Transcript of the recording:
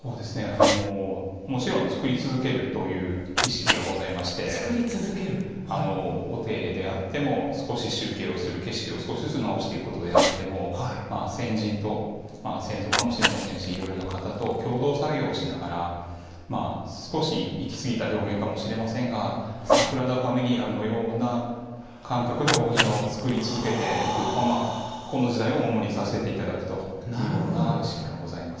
もちろん造り続けるという意識はございましてお手入れであっても少し修景をする少しずつ景色を直していくことであっても先人と先祖かもしれませんしいろいろな方と共同作業をしながら少し行き過ぎた表現かもしれませんがサグラダ・ファミリアのような感覚でお庭を造り続けていくこの時代をお守りさせていただくというような意識がございます。